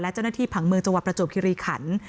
และเจ้าหน้าที่ผังเมืองจังหวัดประจวบคิริขัน